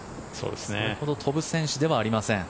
それほど飛ぶ選手ではありません。